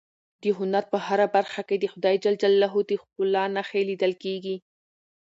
د هنر په هره برخه کې د خدای ج د ښکلا نښې لیدل کېږي.